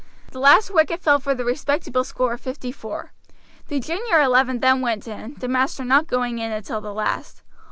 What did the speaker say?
The last wicket fell for the respectable score of fifty four. The junior eleven then went in, the master not going in until the last.